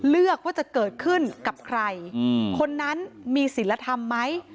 เลือกว่าจะเกิดขึ้นกับใครคนนั้นมีศิลธรรมไหม